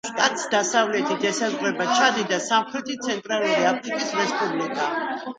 შტატს დასავლეთით ესაზღვრება ჩადი და სამხრეთით ცენტრალური აფრიკის რესპუბლიკა.